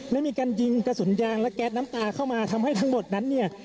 และมีการยิงกระสุนยางและแก๊สน้ำตาเข้ามาทำให้ทั้งหมดนั้นเนี่ย